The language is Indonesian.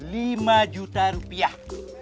lima juta rupiah